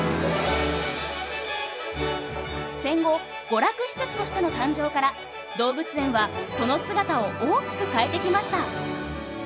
戦後娯楽施設としての誕生から動物園はその姿を大きく変えてきました。